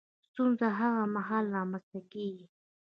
ستونزه هغه مهال رامنځ ته کېږي